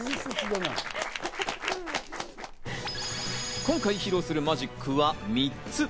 今回、披露するマジックは３つ。